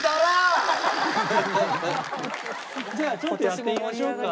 じゃあちょっとやってみましょうか。